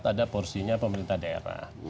ada porsinya pemerintah daerah